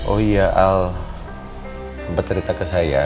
oh iya al bercerita ke saya